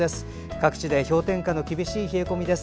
各地で氷点下の厳しい冷え込みです。